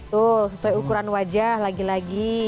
tuh sesuai ukuran wajah lagi lagi